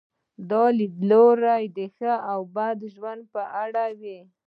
دا لیدلوری د ښه او بد ژوند په اړه وي.